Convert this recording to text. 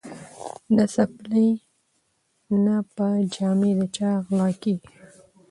نه څپلۍ نه به جامې د چا غلاکیږي